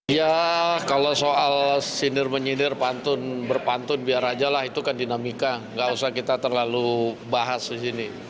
ya kalau soal sinir menyidir pantun berpantun biar ajalah itu kan dinamika gak usah kita terlalu bahas disini